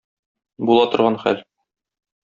Була торган хәл.